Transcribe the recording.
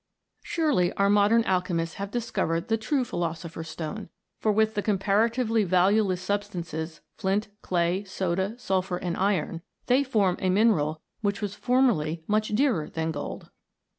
Surely our modern alchemists have discovered the true philosopher's stone, for with the compara tively valueless substances, flint, clay, soda, sulphur, and iron, they form a mineral which was formerly nmch dearer than gold